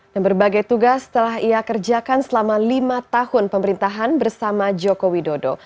dan berbagai tugas telah ia kerjakan selama lima tahun pemerintahan bersama jokowi dodo